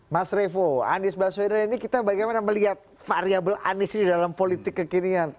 mas revo anies baswedan ini kita bagaimana melihat variable anies ini dalam politik kekinian